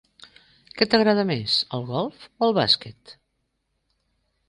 Què t'agrada més, el golf o el bàsquet?